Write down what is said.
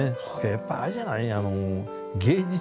やっぱあれじゃない？